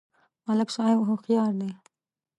ملک صاحب هوښیار دی.